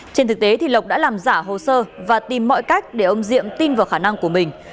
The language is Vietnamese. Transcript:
trên thực tế lộc đã làm giả hồ sơ và tìm mọi cách để ông diệm tin vào khả năng của mình